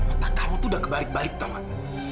otak kamu tuh udah kebalik balik teman